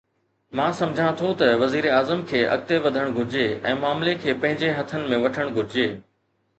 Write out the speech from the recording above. مان سمجهان ٿو ته وزير اعظم کي اڳتي وڌڻ گهرجي ۽ معاملي کي پنهنجي هٿن ۾ وٺڻ گهرجي.